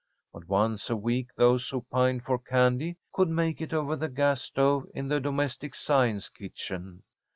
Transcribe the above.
But once a week those who pined for candy could make it over the gas stove in the Domestic Science kitchen.